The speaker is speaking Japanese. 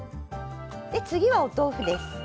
で次はお豆腐です。